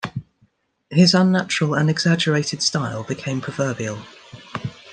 His unnatural and exaggerated style became proverbial.